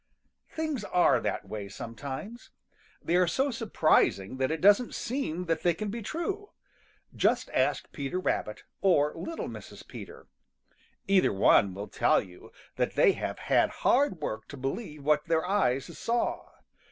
= |THINGS are that way sometimes. They are so surprising that it doesn't seem that they can be true. Just ask Peter Rabbit, or little Mrs. Peter. Either one will tell you that they have had hard work to believe what their eyes saw.